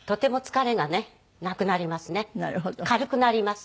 軽くなります。